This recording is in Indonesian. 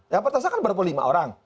yang tersangka kan berapa lima orang